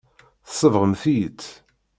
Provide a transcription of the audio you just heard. Tsebɣemt-iyi-tt.